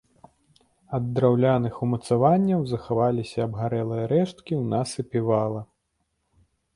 Ад драўляных умацаванняў захаваліся абгарэлыя рэшткі ў насыпе вала.